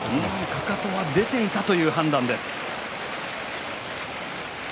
かかとは出ていたという判断です。